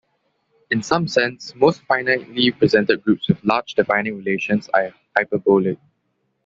In some sense, "most" finitely presented groups with large defining relations are hyperbolic.